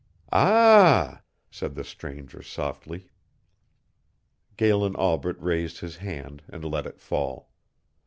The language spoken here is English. "Ah," said the stranger softly. Galen Albret raised his hand and let it fall.